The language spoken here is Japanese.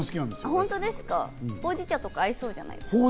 ほうじ茶とか合いそうじゃないですか？